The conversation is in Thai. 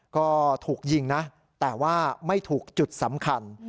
ก็ถูกยิงนะแต่ว่าไม่ถูกจุดสำคัญ